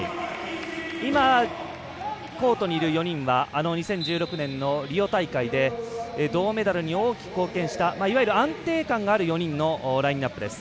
今、コートにいる４人は２０１６年のリオ大会で銅メダルに大きく貢献したいわゆる安定感がある４人のラインアップです。